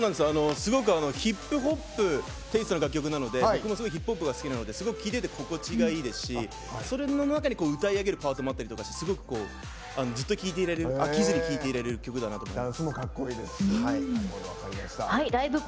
すごくヒップホップテイストな楽曲なので、僕もすごく聴いてて心地がいいですしそれの中に歌い上げるパートもあったりして飽きずに聴いていられる曲だなと思います。